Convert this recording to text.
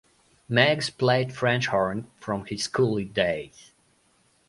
Meggs played French horn from his school days.